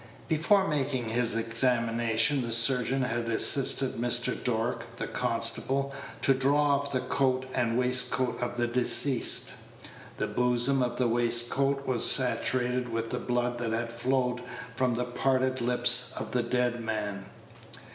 Before making his examination, the surgeon had assisted Mr. Dork, the constable, to draw off the coat and waistcoat of the deceased. The bosom of the waistcoat was saturated with the blood that had flowed from the parted lips of the dead man.